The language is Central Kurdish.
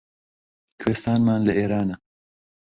کوێستانمان لە ئێرانە